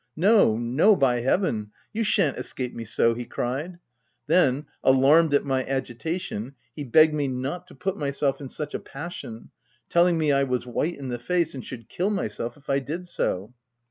" No, no, by heaven, you shan't escape me so ! v he cried. Then, alarmed at my agitation, he begged me not to put myself in such a pas sion, telling me I was white in the face, and should kill myself if I did so.